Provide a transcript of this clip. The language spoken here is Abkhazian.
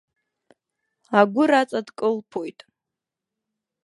Агәыр аҵа дкылԥоит.